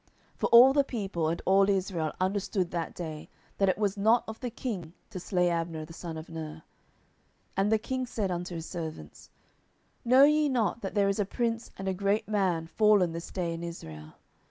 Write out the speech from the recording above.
10:003:037 For all the people and all Israel understood that day that it was not of the king to slay Abner the son of Ner. 10:003:038 And the king said unto his servants, Know ye not that there is a prince and a great man fallen this day in Israel?